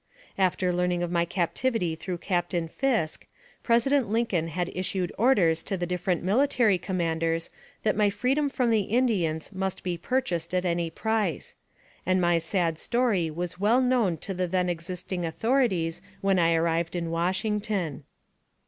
After learning of my captivity through Captain Fisk, President Lincoln had issued orders to the differ ent military commanders that my freedom from the Indians must be purchased at any price ; and my sad story was well known to the then existing authorities when I arrived in Washington.